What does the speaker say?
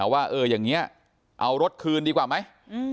ว่าอย่างนี้เอารถคืนดีกว่าไหม